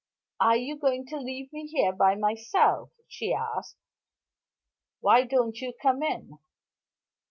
"Are you going to leave me here by myself?" she asked. "Why don't you come in?"